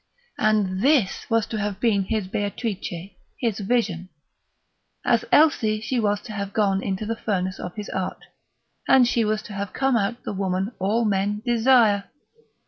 And this was to have been his Beatrice, his vision! As Elsie she was to have gone into the furnace of his art, and she was to have come out the Woman all men desire!